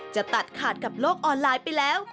จะตัดขาดกับโลกออนไลน์ไปแล้ว